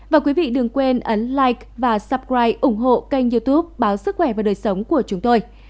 và quý vị đừng quên ấn life và supri ủng hộ kênh youtube báo sức khỏe và đời sống của chúng tôi